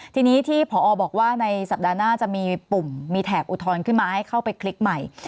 ทีนี้ที่พอบอกว่าในสัปดาห์หน้าจะมีปุ่มมีแถบอุทธรณ์ขึ้นมาให้เข้าไปคลิกใหม่